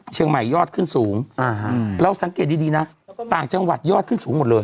เชียงใหม่ยอดขึ้นสูงเราสังเกตดีนะต่างจังหวัดยอดขึ้นสูงหมดเลย